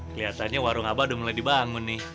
kelihatannya warung abah udah mulai dibangun nih